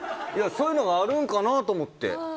そういうのがあるんかなと思って。